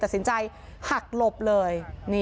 ตัดสินใจหักหลบเลย